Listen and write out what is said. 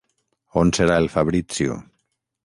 On serà el Fabrizio...